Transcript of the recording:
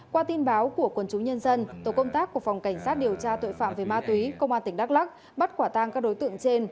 qua tin báo của quần chúng nhân dân tổ công tác của phòng cảnh sát điều tra tội phạm về ma túy công an tỉnh đắk lắc bắt quả tang các đối tượng trên